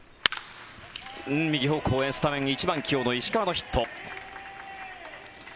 右方向へ、スタメン１番起用の石川のヒット。